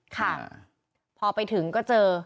ค่ะพอไปถึงก็เจอ